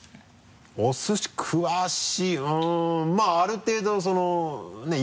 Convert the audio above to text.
おすし詳しいうんまぁある程度そのね